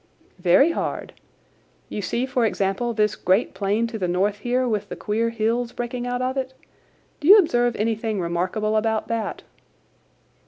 "Very hard. You see, for example, this great plain to the north here with the queer hills breaking out of it. Do you observe anything remarkable about that?"